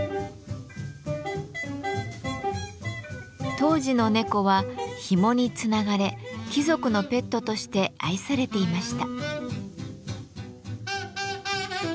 当時の猫はひもにつながれ貴族のペットとして愛されていました。